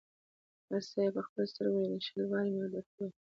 هر څه یې په خپلو سترګو ولیدل، شل وارې مې درته وویل.